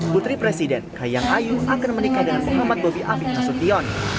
putri presiden kahiyang ayu akan menikah dengan muhammad bobi afiq nasution